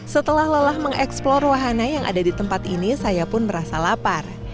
setelah lelah mengeksplor wahana yang ada di tempat ini saya pun merasa lapar